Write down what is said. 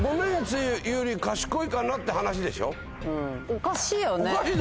おかしいよね。